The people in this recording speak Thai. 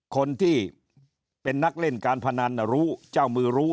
คนที่เป็นนักเล่นการพนันรู้เจ้ามือรู้